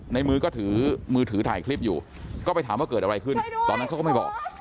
ในมือก็ถือมือถือถ่ายคลิปอยู่ก็ไปถามว่าเกิดอะไรขึ้นตอนนั้นเขาก็ไม่บอก